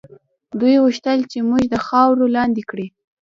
دوی غوښتل چې موږ د خاورو لاندې کړي.